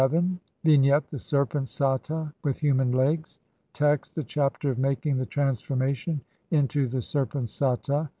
] Vignette : The serpent Sata with human legs. Text: (i) THE CHAPTER OF MAKING THE TRANSFORMATION INTO THE SERPENT Sata.